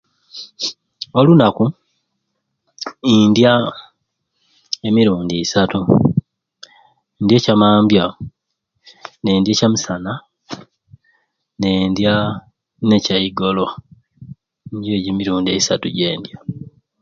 Olunaku ndya emirundi isatu ndya ekya mambya nendya ekyamisana nendya ne kyaigolo nijyo ejyo emirundi esatu gyendya